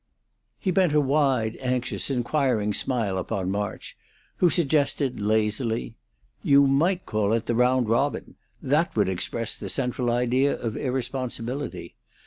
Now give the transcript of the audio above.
He bent a wide, anxious, inquiring smile upon March, who suggested, lazily: "You might call it 'The Round Robin'. That would express the central idea of irresponsibility.